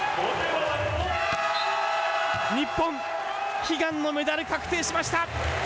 日本、悲願のメダル確定しました。